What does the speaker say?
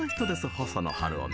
細野晴臣。